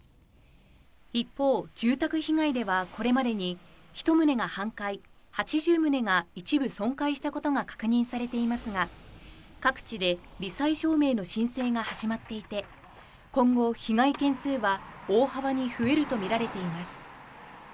一方、住宅被害ではこれまでに１棟が半壊、８０棟が一部損壊したことが確認されていますが、各地でり災証明の申請が始まっていて、今後、被害件数は大幅に増えると見られています。